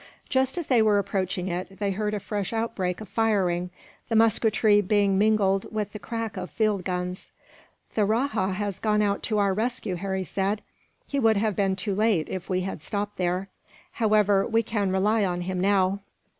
Just as they were approaching it, they heard a fresh outbreak of firing, the musketry being mingled with the crack of field guns. "The rajah has gone out to our rescue," Harry said. "He would have been too late, if we had stopped there; however, we can rely upon him now."